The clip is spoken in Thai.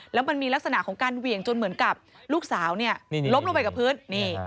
แล้วมันมีลักษณะของการเหวี่ยงจนเหมือนกับลูกสาวเนี่ยล้มลงไปกับพื้น